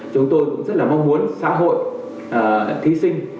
chúng tôi cũng rất là mong muốn xã hội thí sinh